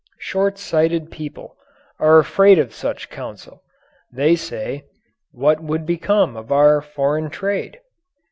Short sighted people are afraid of such counsel. They say: "What would become of our foreign trade?"